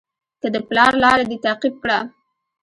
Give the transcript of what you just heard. که د پلار لاره دې تعقیب کړه.